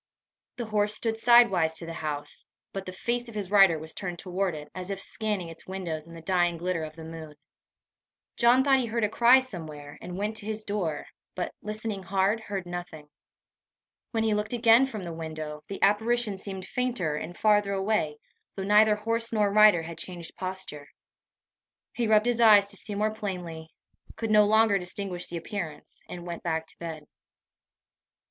The horse stood sidewise to the house, but the face of his rider was turned toward it, as if scanning its windows in the dying glitter of the moon. John thought he heard a cry somewhere, and went to his door, but, listening hard, heard nothing. When he looked again from the window, the apparition seemed fainter, and farther away, though neither horse nor rider had changed posture. He rubbed his eyes to see more plainly, could no longer distinguish the appearance, and went back to bed.